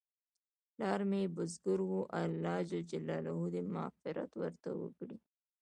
پلار مې بزګر و، الله ج دې مغفرت ورته وکړي